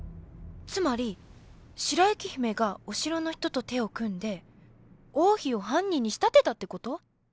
つまり白雪姫がお城の人と手を組んで王妃を犯人に仕立てたって事？